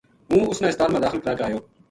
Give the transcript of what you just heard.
ہوں اس نا ہسپتال ما داخل کرا کے آیو